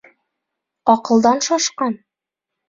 Аҡылдан шашҡан!